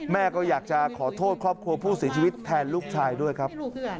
แม่ก็อยากจะขอโทษครอบครัวผู้เสียชีวิตแทนลูกชายด้วยครับ